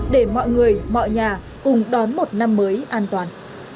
để mọi người mọi nhà cùng đón một năm mới an toàn